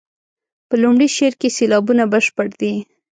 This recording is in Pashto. په لومړي شعر کې سېلابونه بشپړ دي.